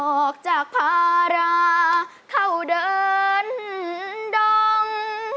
ออกจากภาราเข้าเดินดง